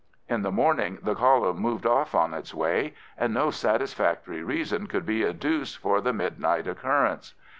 In the morning the column moved off on its way, and no satisfactory reason could be adduced for the midnight occurrence.